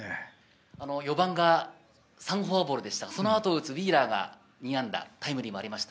４番が３フォアボールでしたが、その後を打つウィーラーが２安打、タイムリーもありました。